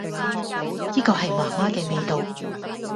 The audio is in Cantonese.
依個係媽媽嘅味道